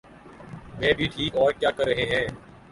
میں بھی ٹھیک۔ اور کیا کر رہے ہیں؟